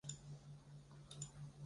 加盟申请会被赛会审核。